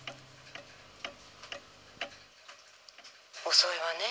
遅いわねえ。